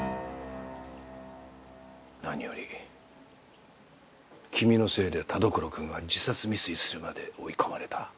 何より君のせいで田所君は自殺未遂するまで追い込まれた。